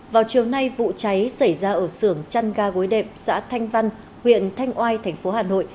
vào chiều nay vụ cháy xảy ra ở sưởng trăn ga gối đệm xã thanh văn huyện thanh oai tp hà nội